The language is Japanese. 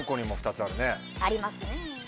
ありますね。